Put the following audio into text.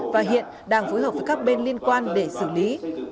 và hiện đang phối hợp với các bên liên quan để xử lý